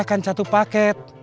kita kan satu paket